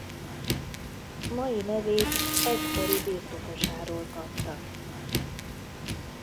Mai nevét egykori birtokosáról kapta.